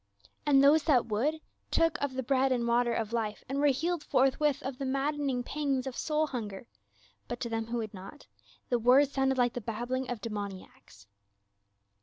And those that would, took of the bread and water of life and were healed forthwith of the maddening pangs of soul hunger ; but to them who would not, the words sounded like the babbling of demoniacs.